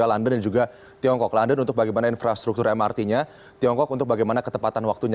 london dan juga tiongkok london untuk bagaimana infrastruktur mrt nya tiongkok untuk bagaimana ketepatan waktunya